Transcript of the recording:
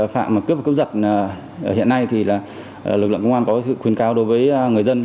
phạm cướp và cướp giật hiện nay thì lực lượng công an có khuyên cáo đối với người dân